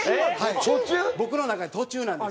僕の中で途中なんです。